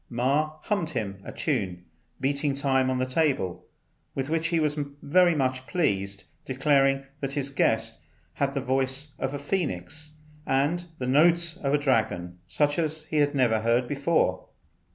Ma hummed him a tune, beating time on the table, with which he was very much pleased, declaring that his guest had the voice of a phœnix and the notes of a dragon, such as he had never heard before.